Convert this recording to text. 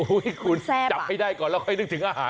คุณจับให้ได้ก่อนแล้วค่อยนึกถึงอาหาร